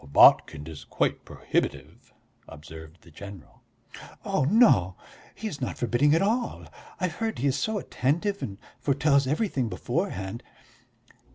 "Botkin is quite prohibitive," observed the general. "Oh, no, he is not forbidding at all; I've heard he is so attentive and foretells everything beforehand."